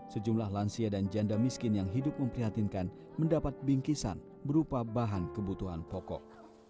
sejumlah lansia dan janda miskin yang hidup memprihatinkan mendapat bingkisan berupa bahan kebutuhan pokok